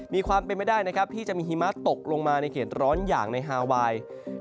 มีความเป็นไม่ได้นะครับที่จะมีหิมะตกลงมาในเขตร้อนอย่างในฮาไวน์